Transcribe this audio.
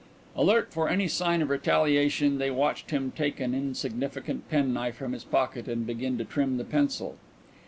Alert for any sign of retaliation, they watched him take an insignificant penknife from his pocket and begin to trim the pencil.